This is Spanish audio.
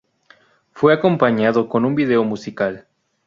Fue acompañado con un vídeo musical.